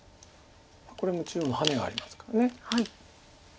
これも中央にハネがありますから。